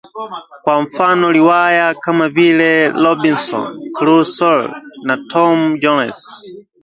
Kwa mfano, riwaya kama vile Robinson Crusoe, na Tom Jones,